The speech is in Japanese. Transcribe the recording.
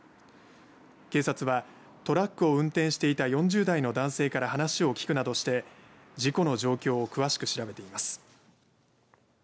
警察はトラックを運転していた４０代の男性から話を聞くなどして事故の状況を詳しく調べています。